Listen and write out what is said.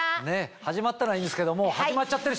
始まったのはいいんですけど。